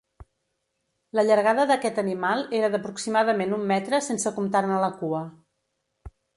La llargada d'aquest animal era d'aproximadament un metre sense comptar-ne la cua.